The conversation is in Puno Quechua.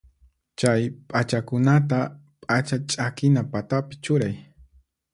Chay p'achakunata p'acha ch'akina patapi churay.